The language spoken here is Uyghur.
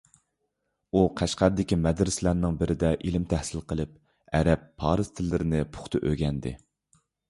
ئۇ قەشقەردىكى مەدرىسەلەرنىڭ بىرىدە ئىلىم تەھسىل قىلىپ، ئەرەب، پارس تىللىرىنى پۇختا ئۆگەندى.